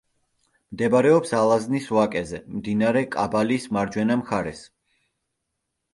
მდებარეობს ალაზნის ვაკეზე, მდინარე კაბალის მარჯვენა მხარეს.